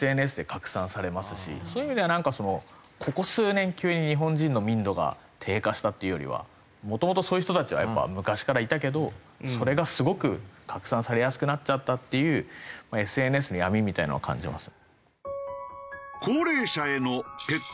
そういう意味ではなんかここ数年急に日本人の民度が低下したっていうよりはもともとそういう人たちはやっぱ昔からいたけどそれがすごく拡散されやすくなっちゃったっていうＳＮＳの闇みたいなのは感じます。